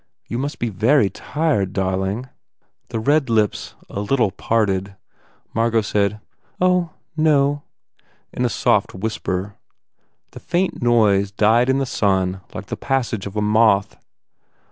"You must be very tired, darling." The red lips a little parted. Margot said, "Oh. .. no," in a soft whisper. The faint noise died in the sun like the passage of a moth.